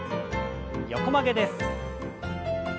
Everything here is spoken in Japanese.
横曲げです。